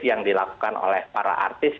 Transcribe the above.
yang dilakukan oleh para artis